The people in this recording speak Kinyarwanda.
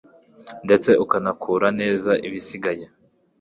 ndetse ukanakura neza ibisigaye